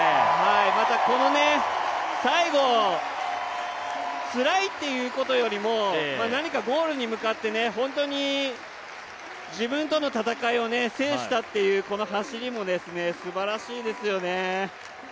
またこの最後、つらいっていうことよりも何かゴールに向かって本当に自分との戦いを制したというこの走りもすばらしいですよね。